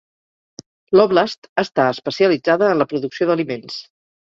L'óblast està especialitzada en la producció d'aliments.